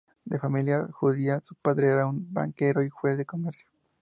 De familia judía, su padre era un banquero y juez de comercio.